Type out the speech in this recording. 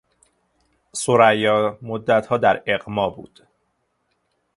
ثریا مدتها در اغما بود.